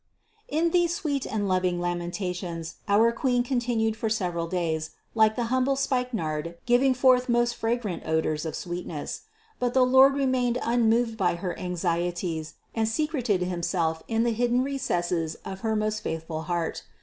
685. In these sweet and loving lamentations our Queen continued for several days, like the humble spikenard giving forth most fragrant odors of sweetness. But the Lord remained unmoved by her anxieties and secreted Himself in the hidden recesses of her most faithful heart.